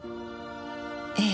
ええ。